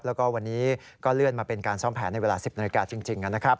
แล้วก็วันนี้ก็เลื่อนมาเป็นการซ่อมแผนในเวลา๑๐นาฬิกาจริงนะครับ